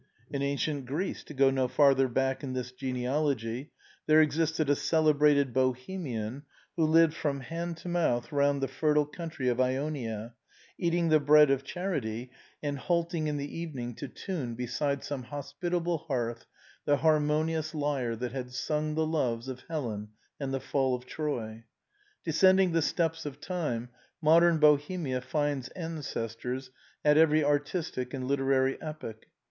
In ancient Greece, to go no farther back in this genealogy, there existed a celebrated Bohemian, who lived from hand to mouth round about the fertile country of Ionia, eating the bread of charity, and halting in the evening to tune beside some hospitable hearth the harmonious lyre that had sung the loves of Helen and the fall of Troy. Descending the steps of time modern Bohemia finds ancestors at every artistic and literary epoch.